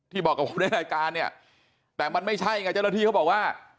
ที่บอกกับเราอีกราณเนี่ยแต่มันไม่ใช่เหรออาจารย์ที่อ้าวบอกว่า